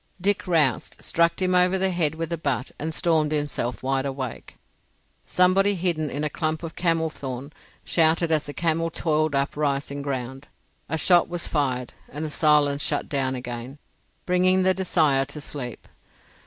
Dick roused, struck him over the head with the butt, and stormed himself wide awake. Somebody hidden in a clump of camel thorn shouted as the camel toiled up rising ground. A shot was fired, and the silence shut down again, bringing the desire to sleep.